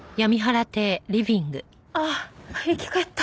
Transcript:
ああ生き返った。